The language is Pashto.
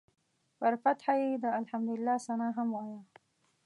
پر فتحه یې د الحمدلله ثناء هم وایه.